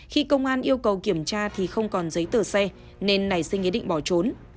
khi công an yêu cầu kiểm tra thì không còn giấy tờ xe nên nảy sinh ý định bỏ trốn